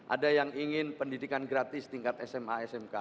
ada yang ingin pendidikan gratis tingkat sma smk mudah mudahan bisa diwujudkan